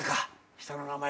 下の名前で？